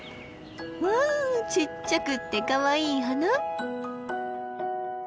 わあちっちゃくってかわいい花！